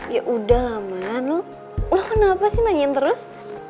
yaudah lan lo kenapa sih nangin terus